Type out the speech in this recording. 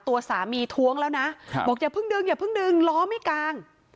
ตัวสามีท้วงแล้วนะบอกอย่าเพิ่งดึงอย่าเพิ่งดึงล้อไม่กลาง